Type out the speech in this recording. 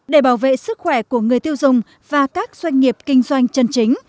để bảo vệ sức khỏe của người tiêu dùng và các doanh nghiệp kinh doanh chân chính